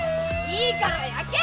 いいから焼け！